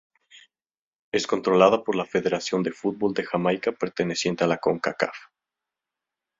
Es controlada por la Federación de Fútbol de Jamaica perteneciente a la Concacaf.